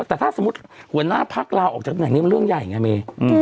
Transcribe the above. แต่ถ้าสมมุติหัวหน้าพักลาออกจากตำแหน่งนี้มันเรื่องใหญ่ไงเม